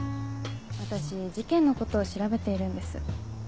私事件のことを調べているんです。